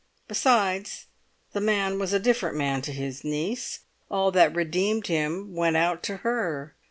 Besides, the man was a different man to his niece; all that redeemed him went out to her.